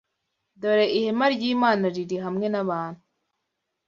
Dore ihema ry’Imana riri hamwe n’abantu,